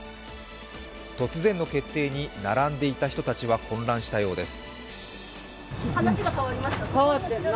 突然の決定に、並んでいた人たちは混乱したようです。